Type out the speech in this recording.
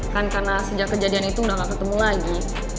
kan karena sejak kejadian itu udah gak ketemu lagi